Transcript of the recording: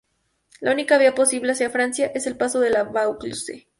La única vía posible hacia Francia es el paso de la Vaucluse.